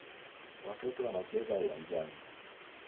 Watoto wanacheza uwanjani.